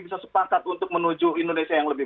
bisa sepakat untuk menuju indonesia yang lebih